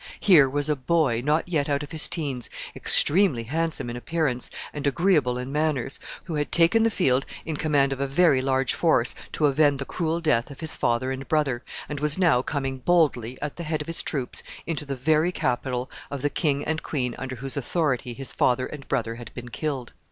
Here was a boy not yet out of his teens, extremely handsome in appearance and agreeable in manners, who had taken the field in command of a very large force to avenge the cruel death of his father and brother, and was now coming boldly, at the head of his troops, into the very capital of the king and queen under whose authority his father and brother had been killed.